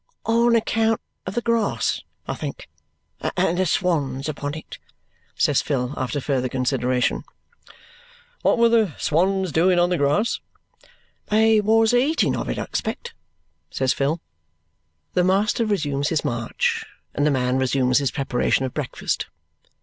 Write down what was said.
"On account of the grass, I think. And the swans upon it," says Phil after further consideration. "What were the swans doing on the grass?" "They was a eating of it, I expect," says Phil. The master resumes his march, and the man resumes his preparation of breakfast.